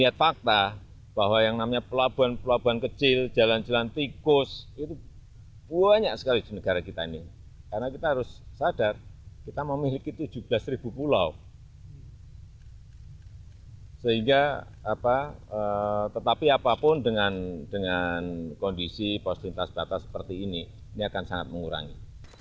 tetapi apapun dengan kondisi pos lintas batas seperti ini ini akan sangat mengurangi